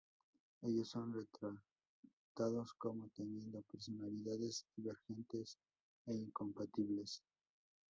Ellos son retratados como teniendo personalidades divergentes e incompatibles.